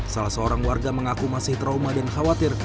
salah seorang warga mengaku masih trauma dan khawatir